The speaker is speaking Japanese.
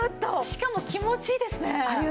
しかも気持ちいいですねえ。